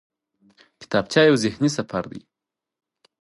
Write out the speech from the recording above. کتابچه یو ذهني سفر دی